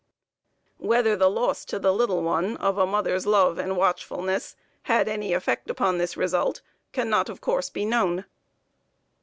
Whether the loss to the little one of a mother's love and watchfulness had any effect upon the result, cannot, of course, be known.